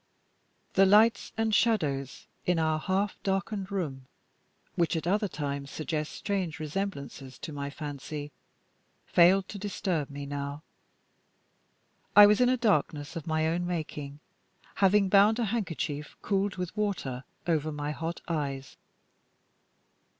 The lights and shadows in our half darkened room, which at other times suggest strange resemblances to my fancy, failed to disturb me now. I was in a darkness of my own making, having bound a handkerchief, cooled with water, over my hot eyes.